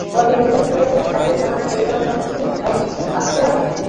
পরদিনই অভিনয় শুরু করেছেন সাগর জাহানের পরিচালনায় চুপ ভাই কিছু ভাবছে নাটকে।